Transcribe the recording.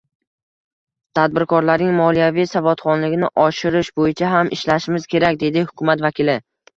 “Tadbirkorlarning moliyaviy savodxonligini oshirish bo‘yicha ham ishlashimiz kerak”, — deydi hukumat vakili